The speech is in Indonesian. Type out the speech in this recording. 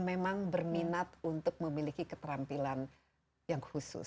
memang berminat untuk memiliki keterampilan yang khusus